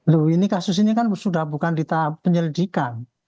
loh ini kasus ini kan sudah bukan di tahap penyelidikan